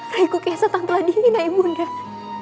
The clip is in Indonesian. raiku kian santang telah dihina ibu undang